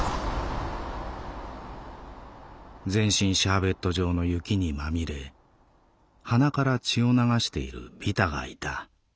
「全身シャーベット状の雪にまみれ鼻から血を流しているビタがいた。